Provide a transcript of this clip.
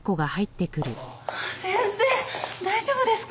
先生大丈夫ですか？